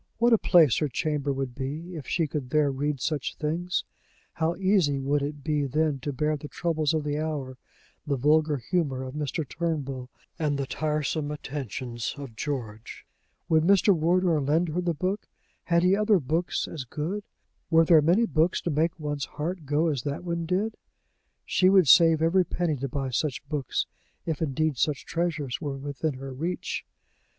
What a place her chamber would be, if she could there read such things! How easy would it be then to bear the troubles of the hour, the vulgar humor of Mr. Turnbull, and the tiresome attentions of George! Would Mr. Wardour lend her the book? Had he other books as good? Were there many books to make one's heart go as that one did? She would save every penny to buy such books, if indeed such treasures were within her reach!